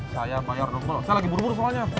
saya bayar double saya lagi buru buru soalnya